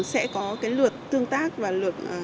sẽ có cái lượt tương tác và lượt